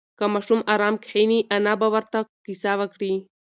که ماشوم ارام کښېني، انا به ورته قصه وکړي.